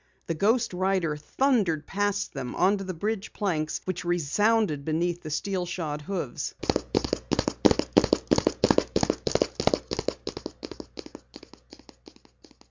The ghost rider thundered past them onto the bridge planks which resounded beneath the steel shod hoofs.